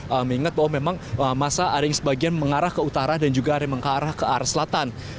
mengingat bahwa memang masa ada yang sebagian mengarah ke utara dan juga ada yang mengarah ke arah selatan